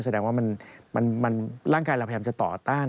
แสดงว่าร่างกายเราพยายามจะต่อต้าน